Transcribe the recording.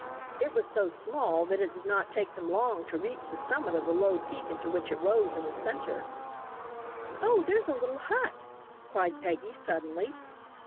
It was so small that it did not take them long to reach the summit of the low peak into which it rose in the centre. "Oh, there's a little hut!" cried Peggy, suddenly.